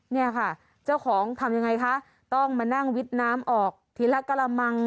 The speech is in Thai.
เนี่ยค่ะเจ้าของทำยังไงคะต้องมานั่งวิดน้ำออกทีละกระมัง